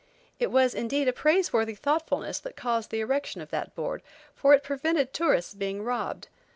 It was, indeed, a praiseworthy thoughtfulness that caused the erection of that board, for it prevented tourists being robbed.